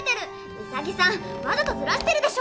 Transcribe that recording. ウサギさんわざとずらしてるでしょ！